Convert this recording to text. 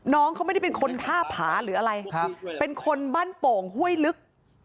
น้องเขาไม่ได้เป็นคนท่าผาหรืออะไรเป็นคนบ้านโป่งห้วยลึก